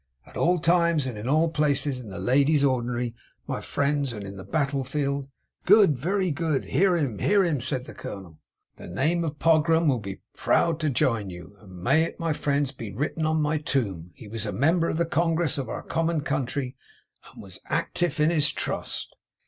At all times and in all places; in the ladies' ordinary, My friends, and in the Battle Field ' 'Good, very good! Hear him! Hear him!' said the Colonel. 'The name of Pogram will be proud to jine you. And may it, My friends, be written on My tomb, "He was a member of the Congress of our common country, and was ac Tive in his trust."